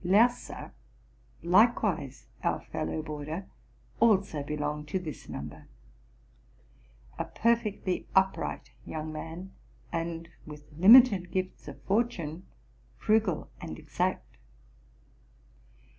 Lerse, likewise our fellow boarder, also belonged to this number: a perfectly upright young man, and, with limited gifts ef fortune, frugal and exact.